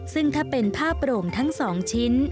ซึ่งถ้าเป็นผ้าโปร่งทั้ง๒ชิ้น